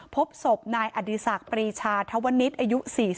พบศพนายอดีศักดิ์ปรีชาธวนิษฐ์อายุ๔๒